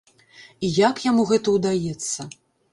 І як яму гэта ўдаецца?